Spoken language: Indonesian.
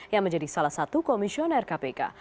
yang menjadi salah satu komisioner kpk